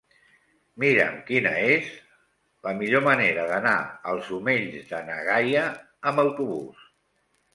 Mira'm quina és la millor manera d'anar als Omells de na Gaia amb autobús.